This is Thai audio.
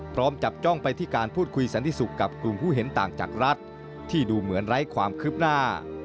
พร้อมจับจ้องไปที่การพูดคุยสันติสุขกับกลุ่มผู้เห็นต่างจากรัฐที่ดูเหมือนไร้ความคืบหน้า